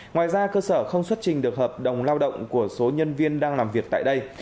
ngoài ra cơ sở không xuất trình được hợp đồng lao động của số nhân viên đang làm việc tại đây